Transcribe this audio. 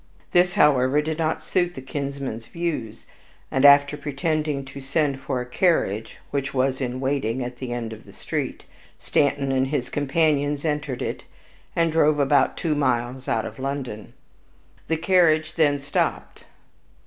This, however, did not suit the kinsman's views; and, after pretending to send for a carriage (which was in waiting at the end of the street), Stanton and his companions entered it, and drove about two miles out of London. * Rochefoucauld. The carriage then stopped.